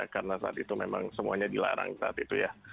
karena saat itu memang semuanya dilarang saat itu ya